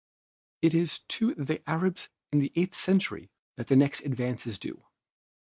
It is to the Arabs in the eighth century that the next advance is due.